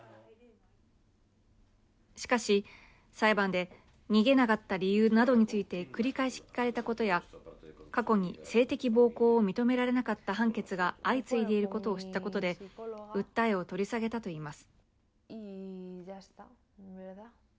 しかし裁判で逃げなかった理由などについて繰り返し聞かれたことや過去に性的暴行を認められなかった判決が相次いでいることを知ったことで訴えを取り下げたと言います。